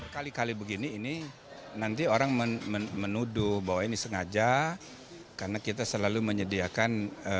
kali kali begini ini nanti orang menuduh bahwa ini sengaja karena kita selalu menyediakan